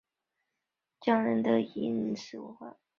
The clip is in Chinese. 阿塞拜疆饮食是指阿塞拜疆国内及阿塞拜疆人的饮食文化。